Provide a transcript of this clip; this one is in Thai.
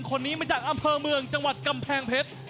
คนนี้มาจากอำเภอเมืองจังหวัดกำแพงเพชร